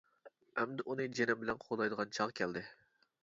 ئەمدى ئۇنى جېنىم بىلەن قوغدايدىغان چاغ كەلدى.